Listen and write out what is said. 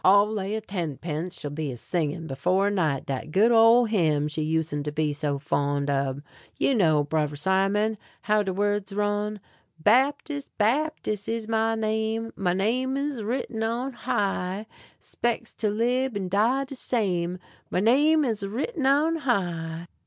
I'll lay a tenpence she'll be a singin' before night dat good ole hyme she usened to be so fond ob. You knows, Brover Simon, how de words run: "Baptis, Baptis is my name, My name is written on high; 'Spects to lib and die de same, My name is written on high."